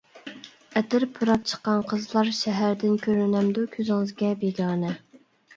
ئەتىر پۇراپ چىققان قىزلار شەھەردىن، كۆرۈنەمدۇ كۆزىڭىزگە بىگانە.